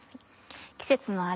季節の味